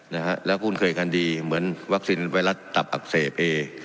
นะฮะแล้วคุ้นเคยกันดีเหมือนวัคซีนไวรัสตับอักเสบเอ